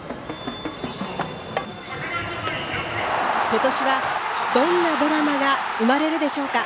今年は、どんなドラマが生まれるでしょうか。